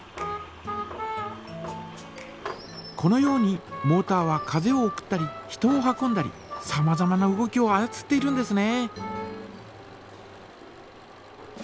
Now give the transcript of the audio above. このようにモータは風を送ったり人を運んだりさまざまな動きをあやつっているんですね。